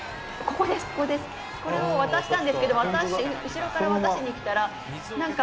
これを渡したんですけど後ろから渡しに来たら何か